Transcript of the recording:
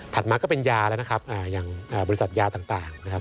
มาก็เป็นยาแล้วนะครับอย่างบริษัทยาต่างนะครับ